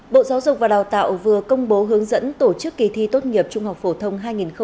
bộ giáo dục và đào tạo vừa công bố hướng dẫn tổ chức kỳ thi tốt nghiệp trung học phổ thông hai nghìn hai mươi